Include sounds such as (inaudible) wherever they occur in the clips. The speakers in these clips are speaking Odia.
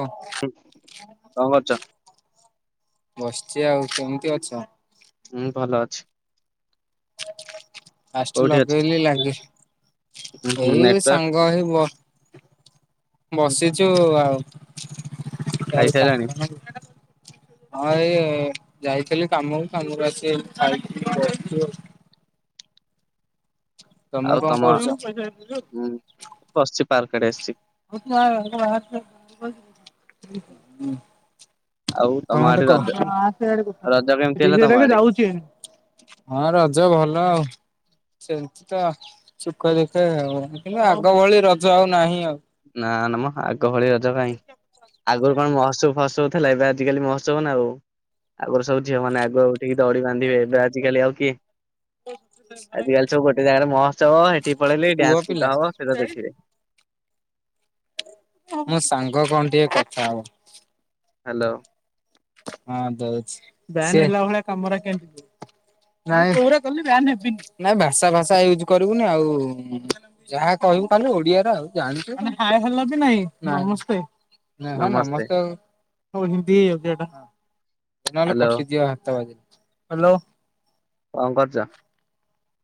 ଓ କଣ କରୁଛ? ବସିଚି ଆଉ କେମତି ଅଛ? ହୁଁ ଭଲ ଅଛି। ଫଷ୍ଟ କୋଉଠି ଅଛ? ଲଗେଇଲି ଲାଗି ହୁଁ ହୁଁ ଏଇ ନେଟୱାର୍କ ସାଙ୍ଗ ହେଇ ବ ବସିଚୁ ଆଉ ଚାରି ଖାଇସାରିଲାଣି? ପାଞ୍ଚଜଣ। ହଁ ଏଇ ଯାଇଥିଲି କାମକୁ କାମରୁ ଆସି ଖାଇକି ବସଚୁ ଆଉ। ତମେ ଆଉ କଣ ତମ କରୁଛ? କଣ ଗୋଟେ କହ? ଉଁ ବସଚି ପାର୍କ ଆଡେ ଆସଚି। (unintelligible) ଆଉ ତମ ଆଡେ ରଜ କଣ ରଜ କେମିତି ହେଲା ଗୋଟେ ତମ ଆଡେ? କହ। ହଁ ରଜ ଭଲ ଆଉ। ସେମିତି ତ ସୁଖେ ଦୁଃଖେ ଆଉ କିନ୍ତୁ ଆଗ ଭଳି ରଜ ଆଉ ନାହିଁ ଆଉ। ନା ନା ମ ଆଗ ଭଳି ରଜ କାଇଁ। ଆଗରୁ କଣ ମହୋତ୍ସବ ଫହତ୍ସବ ଥିଲା ଏବେ ଆଜିକାଲି ମହୋତ୍ସବ ନା ଆଉ ଆଗରୁ ସବୁ ଝିଅ ମାନେ ଆଗ ଆସିକି ଦୋଳି ବାନ୍ଧିବେ ତ ଆଜିକାଲି ଆଉ କିଏ ଆଜିକାଲି ସବୁ ଗୋଟେ ଜାଗାରେ ମହୋତ୍ସବ ହେ ସେଠିକି ପଳେଇଲେ ପୁଅ ଡ୍ୟାନ୍ସ ପିଲା ଗୀତ ହବ ସେଟା ଦେଖିବେ। ଓ ମୋ ସାଙ୍ଗ କଣ ଟିକେ କଥା ହବ। ହାଲୋ। ହଁ ଦୋଉଛି ସିଏ ନାଇଁ ନାଇଁ ଭାଷା ଫାଷା ୟୁଜ କରିବୁନି ଆଉ ଯାହା କହିବୁ ଖାଲି ଓଡିଆରା ଆଉ ଜାଣିଚୁ ନା। ନାଇଁ ହଁ ନମସ୍ତେ ଆଉ। ନହେନେ ହ୍ୟାଲୋ କଟିଯିବ ହାତ ବାଜିକି। କଣ କରୁଚ?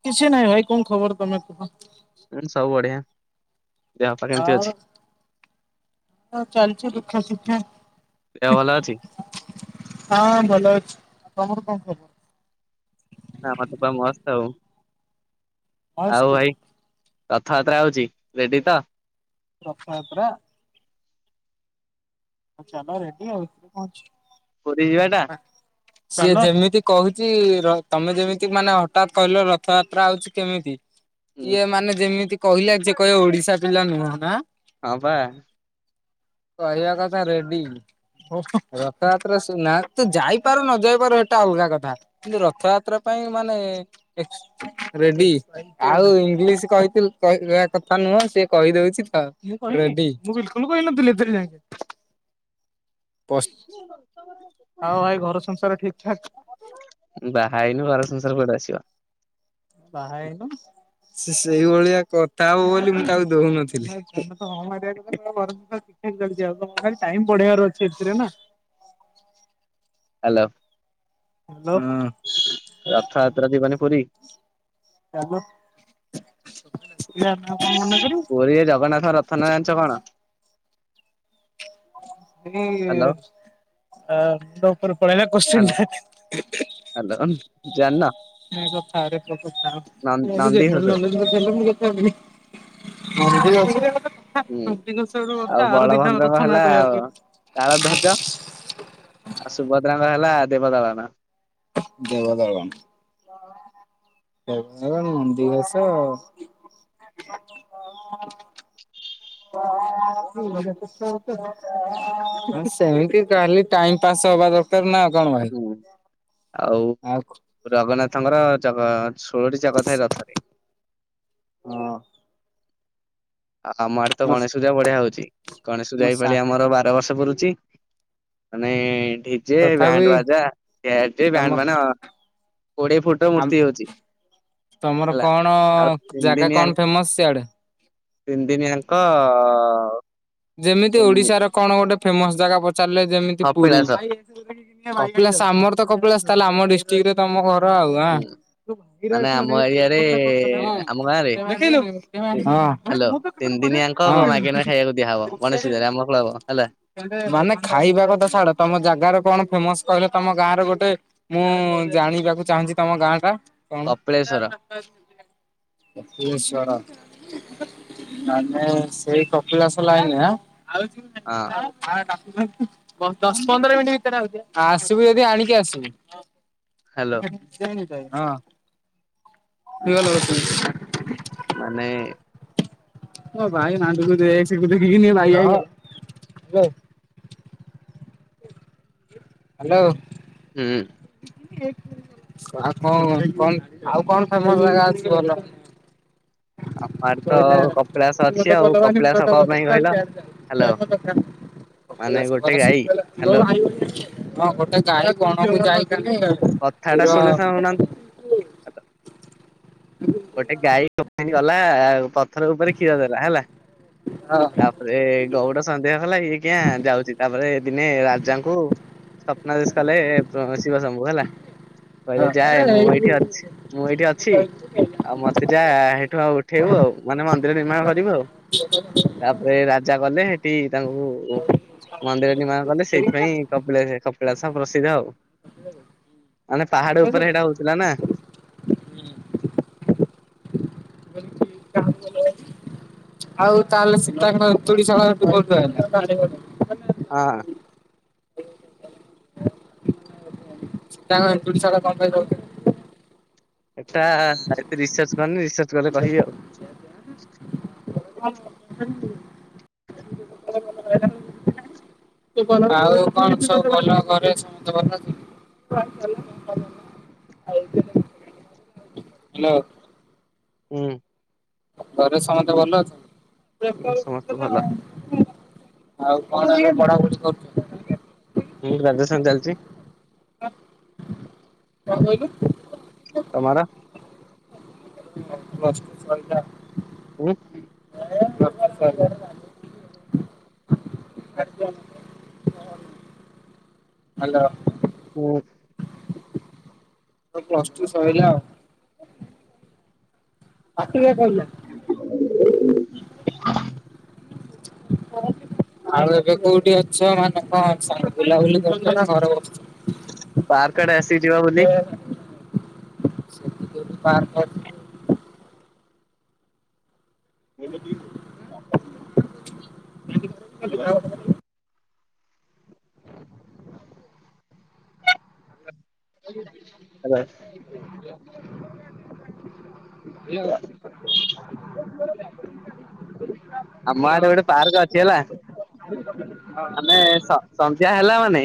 କିଛି ନାଇଁ ଭାଇ କଣ ଖବର ତମେ କୁହ? ଉଁ ସବୁ ବଢିଆ ଦେହପା କେମତି ଆଉ ଅଛି? ହଁ ଚାଲଚି ଦୁଖେସୁଖେ। ଦେହ ଭଲ ଅଛି? ହଁ ଭଲ ଅଛି ତମର କଣ ଖବର। ନା ଆମର ତ ପୁରା ମସ୍ତ ଆଉ ମସ୍ତ ଆଉ ଭାଇ ରଥଯାତ୍ରା ଆଉଚି ରେଡି ତ? ରଥଯାତ୍ରା ଚାଲ ରେଡି ଆଉ କଁ ଅଛି। ପୁରୀ ଯିବେ ନା? ନା। ସିଏ ଯେମିତି କୋହୁଚି ର ତମେ ଯେମିତି ମାନେ ହଠାତ୍ କହିଲ ରଥଯାତ୍ରା ଆଉଚି କେମିତି ହୁଁ ଇଏ ମାନେ ଯେମିତି କହିଲା ଯିଏ କହିବ ଓଡିଶା ପିଲା ନୁହଁ ନା। ହଁ ପା। କହିବା କଥା ରେଡି। ଓହୋଃ, ରଥଯାତ୍ରା ଶୁଣେନା, ତୁ ଯାଇପାରୁ ନ ଯାଇ ପାରୁ ହେଟା ଅଲଗା କଥା। କିନ୍ତୁ ରଥଯାତ୍ରା ପାଇଁ ମାନେ ଏକ୍ସ ରେଡି। ଆଉ ଇଂଲିଶ କହିଥିଲେ କହିବା କଥା ନୁହଁ, ସିଏ କହିଦଉଛି ତ ରେଡି। ମୁଁ ବିଲକୁଲ୍ କହି ନଥିଲି ଏଥିରେ ଯାଏଁ। ଆଉ ଭାଇ ଘର ସଂସାର ଠିକ୍ ଠାକ୍? ଉଁ ବାହା ହେଇନୁ ଘର ସଂସାର କୁଆଡୁ ଆସିବ? ବାହା ହେଇନୁ? ସିଏ ସେଇଭଳିଆ କଥା ହବ ବୋଲି ମୁଁ ତାକୁ ଦଉନଥିଲି। ଆମେ ତ ହଁ ମାରିବା କଥା। (inaudible) ଆଉ ତମକୁ ଖାଲି ଟାଇମ ବଢେଇବାର ଅଛି ଏଥିରେ ନା। ହାଲୋ। ହାଲୋ? ହଁ। ରଥଯାତ୍ରା ଯିବନି ପୁରୀ? ଚାଲ, (unintelligible) ମନା କରିବୁ। ପୁରୀରେ ଜଗନ୍ନାଥ ରଥ ନା ଜାଣିଛ କଣ? ହାଲୋ (unintelligible) ଆ (unintelligible) ଉପରୁ ପଳେଇ ଆଇଲା କୋଶ୍ଚିନ୍ ହାଲୋ ଟା। ହାଲୋ ଜାଣିନ ନନ୍ଦିଘୋଷ ହୁଁ ଆଉ (unintelligible) (inaudible) (inaudible) ବଳଭଦ୍ରଙ୍କ ହେଲା ଅ କହିଲି। ତାଳଧ୍ବଜ ଆଉ ସୁଭଦ୍ରାଙ୍କ ହେଲା ଦେବଦଳନ। ଦେବଦଳନ। ଦେବଦଳନ, ନନ୍ଦିଘୋଷ। (inaudible) ସେମିତି କାଲି ଟାଇମ ପାସ୍ ହବା ଦର। (unintelligible) ହଁ, ଆଉ ଜଗନ୍ନାଥଙ୍କର ଜଗ ଷୋଳଟି ଚକ ଥାଏ ରଥରେ। ହଁ। ଆ ଆମ ଆଡେ ତ ମୋ ଗଣେଶ ପୂଜା ବଢିଆ ହଉଛି ଗଣେଶ ପୂଜା ମୋ ସା ଏଇପଲି ଆମର ବାର ବର୍ଷ ପୁରୁଚି। ମାନେ ଏଠି ବିଜେ, ତଥାପି ବ୍ୟାଣ୍ଡ ବାଜା ଏଠି ତମ ବ୍ୟାଣ୍ଡ ମାନେ କୋଡ଼ିଏ ଫୁଟ ଆମ ମୂର୍ତ୍ତି ହଉଛି। ହେଲା। ଆଉ ତିନି ଦିନିଆ (inaudible) ତିନି ଦିନିଆଙ୍କ କପିଳାସ (inaudible) (inaudible) ହୁଁ ମାନେ ଆମ ଏରିଆରେ ଆମ ଗାଁ ରେ (unintelligible) ହଁ। ଦିଆ ହବ ଗଣେଶ ପୂଜାରେ ରେ ହଁ। ଆମ କ୍ଲବ୍ ହେଲା। (inaudible) (inaudible) କପିଳେଶ୍ଵର (inaudible) ହଁ (inaudible) (inaudible) ହ୍ୟାଲୋ (unintelligible) ମାନେ (unintelligible) ହ୍ୟାଲୋ? ହୁଁ। ଆଉ କଣ କଣ ଆଉ କଣ ଫେମସ୍ ଜାଗା ଅଛି ଭଲ? ଆମ ଆଡେ ତ କୋଇିଲ କପିଳାସ ତୁ ମୋ ଅଛି ତ ଆଉ ବଲ ମୁଁ ତ କପିଳାସ ତ କଣ ବଲ ପାଇଁ କହିଲ ଚାଲ ହ୍ୟାଲୋ ମାନେ ଗୋଟେ ଗାଈ ହ୍ୟାଲୋ (unintelligible) ହଁ ଗୋଟେ ଗାଈ (unintelligible) କଣକୁ ଯାଇଥି କଥାଟା ଶୁଣି ସାରୁ (unintelligible) ଗୋଟେ ଗାଈ କୀ (unintelligible) ଗଲା ଆଉ ପଥର ଉପରେ କ୍ଷୀର ଦେଲା ହେଲା ହଁ। ତାପରେ ଗଉଡ଼ ସନ୍ଧ୍ୟା ହେଲା ଇଏ କିଆଁ ଯାଉଛି ତାପରେ ଦିନେ ରାଜାଙ୍କୁ ସ୍ୱପ୍ନାଦେଶ କଲେ ଶିବଶମ୍ଭୁ ହେ କହିଲେ ଯାଏ ଆରେ ମୁଁ ଏଇ ଏଇଠି ଅଛି ମୁଁ ଏଇଠି ଅଛି ଆଉ ମତେ ଯା ସେଇଠୁ ଆଉ ଉଠେଇବୁ ଆଉ ମାନେ ମନ୍ଦିର ନିର୍ମାଣ କରିବୁ ଆଉ। (unintelligible) ତାପରେ ରାଜା ଗଲେ ହେଠି ତାଙ୍କୁ ମନ୍ଦିର ନିର୍ମାଣ କଲେ ସେଇଥିପାଇଁ କପିଳା କପିଳାସ ପ୍ରସିଦ୍ଧ ଆଉ। ବଝିଲ? ମାନେ ପାହାଡ଼ ଉପରେ ସେଇଟା ହଉଥିଲା ନା। (unintelligible) ଆଉ ତାହେଲେ ସୀତାଙ୍କ ଏନ୍ତୁଡ଼ିସାଳ ହେଠୁ କୋଉଠି ଆସିଲା? ହଁ। ସୀତାଙ୍କ ଏନ୍ତୁଡ଼ିସାଳ କଣ ପାଇଁ କହୁଛ ଏଟା ଏତେ ରିସର୍ଚ୍ଚ କରନି ରିସର୍ଚ୍ଚ କଲେ କହିବି ଆଉ। (unintelligible) (unintelligible) ଆଉ କଣ ସବୁ ଭଲ ଘରେ ସମସ୍ତେ ଭଲ ଅଛ ହ୍ୟାଲୋ। ହୁଁ। ଘରେ ସମସ୍ତେ ଭଲ ଅଛନ୍ତି? ସମସ୍ତେ ଭଲ। ଆଉ କଣ ପଢ଼ାପଢ଼ି କରୁଛ? ହୁଁ ଗ୍ରାଜୁଏସନ ଚାଲିଛି। କଣ କହିଲୁ? ତମର? ମୋର ପ୍ଲସଟୁ ସରିଲା। ହୁଁ। (unintelligible) ହ୍ୟାଲୋ। ହୁଁ। ମୋର ପ୍ଲସ ଟୁ ସରିଲା ଆଉ। ପାଟିରେ କହିଲା (unintelligible) ଆଉ ଏବେ କୋଉଠି ଅଛ ମାନେ କଣ ବୁଲାବୁଲି କରୁଛ ନା ଘର ବ ପାର୍କ ଆଡେ ଆସିିଛି ବା ବୁଲି। ସେ କୌଠି ପାର୍କ ଅ (unintelligible) (unintelligible) (inaudible) (unintelligible) (unintelligible) ଆମ ଆଡେ ଗୋଟେ ପାର୍କ ହେଲୋ ଅଛି ହେଲା ମାନେ ସ ହଁ। ସନ୍ଧ୍ୟା ହେଲା ମାନେ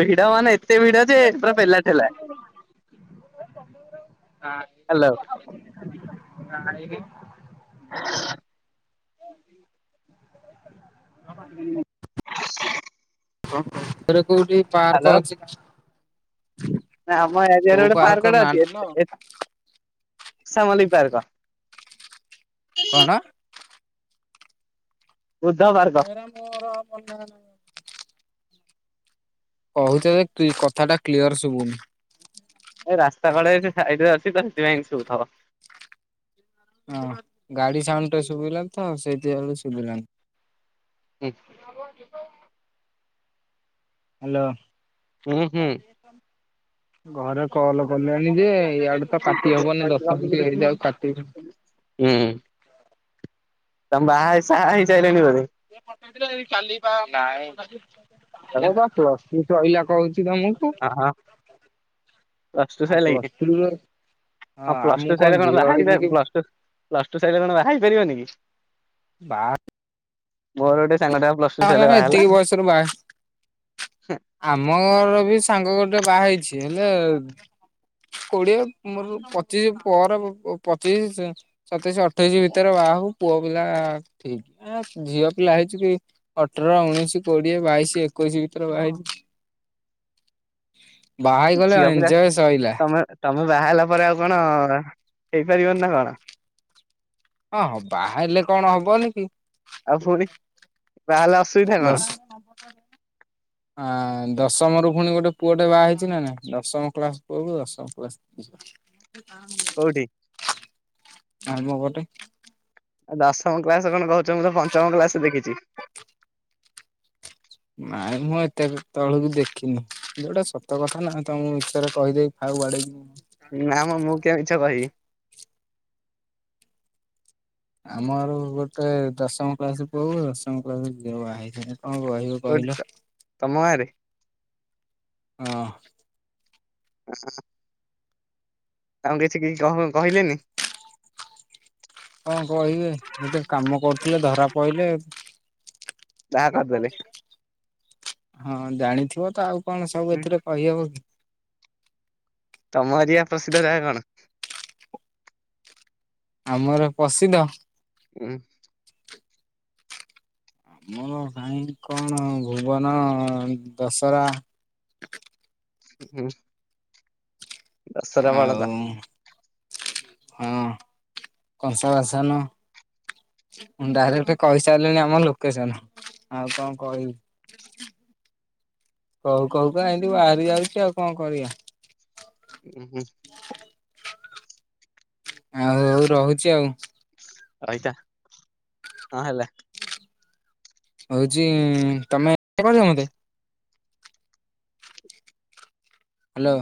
ଭିଡ ମାନେ ଏତେ ଭିଡ ଯେ ପୁରା ପେଲା ଠେଲା। ନ। ହ୍ୟାଲୋ ନାଇଁ। ହ (unintelligible) ହଁଁ। ହ (inaudible) ଖର କୋଉଠି ପାର୍କ ଅଛି? ନା ଆମ ରାଜ୍ୟରେ ଗୋଟେ ପାର୍କଟେ ନା ଅଛି। ଏସ ଏସ ସା ମଲି ପାର୍କ। କଣ? ବୁଧବାର୍ ଟା ମୋର ପନାର ନାହିଁ। କହୁଛ ଯେ କି କଥାଟା କ୍ଲିୟର ଶୁଭୁନି। ଏ ରାସ୍ତା କଡରେ ସେ ସାଇଟରେ ଅଛି ତ ସେଥିପାଇଁ ଏମିତି ସୁଭୁଥିବ। ହଁ ଗାଡି ସାଉଣ୍ଡ ଟା ଶୁଭିଲା ତ ସେଇଥିବେଳୁ ଶୁଭିଲାନି। ଉଁ। ଆ (unintelligible) ହ୍ୟାଲୋ। ହୁଁ ହୁଁ। ଘରେ କଲ କଲେଣି ଯେ ଇଆଡେ ତ କାଟି ହବନି ଦଶମିନିଟ ହେଇଯାଉ କାଟିବି। ହୁଁ। ତମେ ବାହା ସାହା ହେଇ ସାଇଲଣି ବୋଧେ। ନାଁଇ। ଆଉ ମୋର ପ୍ଲସ ଟୁ ଶଇଲା କହୁଚି। କି କାମକୁ। ହଁ ହଁ ପ୍ଲସ ଟୁ ସଇଲା କି? ର ହଁ ଆଉ ପ୍ଲସ ମୁଁ ଟୁ ସଇଲେ କଣ ଝିଅ ବାହାହେଇ ହେଇଛି ପା କି ପ୍ଲସ ଟୁ ପ୍ଲସ୍ ଟୁ ସଇଲେ କଣ ବାହା ହେଇପାରିବନି କି? ବା ମୋର ଗୋଟେ ସାଙ୍ଗଟେ ପା ପ୍ଲସ ଟୁ ହଁ ସଇଲା ବାହା ହେଲା ଏତିକି ବୟଷରୁ ବାହା ଆମ ଘର ବି ସାଙ୍ଗ ଗୋଟେ ବାହା ହେଇଛି ହେଲେ କୋଡିଏ ମୋର ପଚିଶ ପରେ ପ ପ ପଚିଶ ସତେଇଶ ଅଠେଇଶି ଭିତରେ ବାହା ହବୁ ପୁଅ ପିଲା ଠିକ। ଏ ଝିଅ ପିଲା ହେଇଚୁ କି। ଅଠର ଉନେଇଶି କୋଡିଏ ବାଇଶି ଏକୋଇଶି ଭିତରେ ବାହାହେଇଯିବୁ। ବାହା ହେଇଗଲେ ଝିଅ ପିଲା ଏଂଜୟେ ସଇଲା। ତମେ ତମେ ବାହା ହେଲା ପରେ ଆଉ କଣ ହେଇପାରିବନି ନା କଣ? ହଁ ବାହା ହେଲେ କଣ ହବନି କି। ଆଉ ପୁଣି ବାହାହେଲେ ଅସୁବିଧା କଣ? କମ୍ପ୍ୟୁଟର ଆଁ ଦଶମ ରୁ ପୁଣି ଗୋଟେ ପୁଅ ଟେ ବାହା ହେଇଛି ନା ନାଇ। ଦଶମ କ୍ଲାସ ପୁଅକୁ ଦଶମ (unintelligible) କୋଉଠି? ନାଇମ ଗୋଟେ। ଦଶମ କ୍ଲାସ କଣ କହୁଛ ମୁଁ ତ ପଞ୍ଚମ କ୍ଲାସରୁ ଦେଖିଛି। ନାଇଁ, ମୁଁ ଏତେ ବି ତଳକୁ ଦେଖିନି। ଯୋଉଟା ସତ କଥା ନା ତମକୁ ମିଛରେ କହିଦେବି। ଆଉ ଆଡେ ନା ମଁ, ମୁଁ କିଆଁ ମିଛ କହିବି? ଆମର ଗୋଟେ ଦଶମ କ୍ଲାସ ପୁଅ କୁ ଦଶମ କ୍ଲାସ ଝିଅ ବାହା ହେଇଚି। କଣ କହିବ। କହିଲ ଓଡିଶା ତମ ଗାଁରେ? ହଁ। (inaudible) ତାଙ୍କୁ କିଛି କିଛି କ କ କହିଲେନି? କଣ କହିବେ? ଏ ତ କାମ କରୁଥିଲେ ଧରା ପଇଲେ। ଯାହା କରଦେଲେ। ହଁ, ଜାଣିଥିବ ତ ଆଉ କଣ ସବୁ ଉଁ ଏଥିରେ କହିହବ କି? ତମ ଏରିଆ ପ୍ରସିଦ୍ଧ ଗାଁ କଣ? ଆମର ପ୍ରସିଦ୍ଧ? ହୁଁ। ମୋର ଭାଇ କଣ ଭୁବନ, ଦଶହରା। ଉ ହୁଁ। ଦଶରା ବଳଦ ଆଉ ହଁ କଂସା ବାସନ। ମୁଁ ଡାଇରେକ୍ଟ କହିସାରିଲିଣିି ଆମ ଲୋକେସନ। ଆଉ କଣ କହିବି? କହୁ କହୁ କା ଏମତି ବାହାରି ଯାଉଚି। ଆଉ କଣ କରିବା। ଉ ହୁଁ। ଆଉ ହଉ ରହୁଚି ଆଉ। ରଇତା। ହଁ ହେଲା। ହଉଛି ତମେ ବେ କରିବ ମୋତେ? ହାଲୋ।